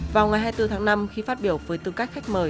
vào ngày hai mươi bốn tháng năm khi phát biểu với tư cách khách mời